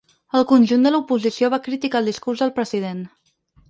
El conjunt de l’oposició va criticar el discurs del president.